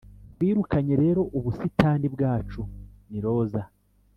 twirukanye rero ubusitani bwacu, ni roza,